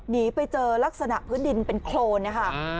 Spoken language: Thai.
หนีไปเจอลักษณะพื้นดินเป็นโครนนะคะ